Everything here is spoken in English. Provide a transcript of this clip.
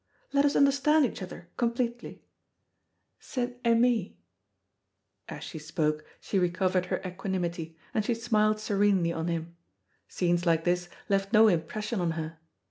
Let us understand each other completely. C'est aimer." As she spoke she recovered her equanimity, and she smiled serenely on him. Scenes like this left no impression on her.